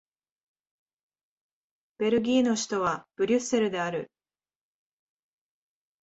ベルギーの首都はブリュッセルである